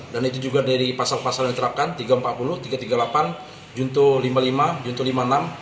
dan itu juga dari pasal pasal yang diterapkan tiga ratus empat puluh tiga ratus tiga puluh delapan juntuh lima puluh lima juntuh lima puluh enam